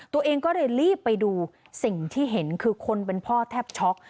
ตัวเองก็เลยรีบไปดูสิ่งที่เห็นคือคนเป็นพ่อแทบช็อก